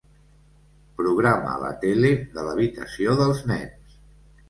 Programa la tele de l'habitació dels nens.